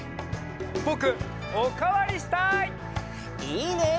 ぼくおかわりしたい！いいね！